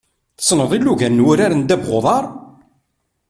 Tessneḍ ilugan n wurar n ddabex n uḍar?